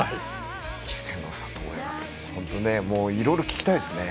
稀勢の里親方にいろいろ聞きたいですね。